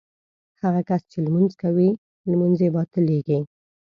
هغه کس چې لمونځ کوي لمونځ یې باطلېږي.